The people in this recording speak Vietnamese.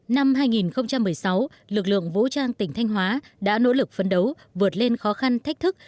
năm hai nghìn một mươi sáu lực lượng vũ trang tỉnh thanh hóa đã nỗ lực phấn đấu vượt lên khó khăn thách thức